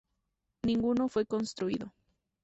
Ninguno fue construido.